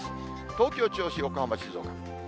東京、銚子、横浜、静岡。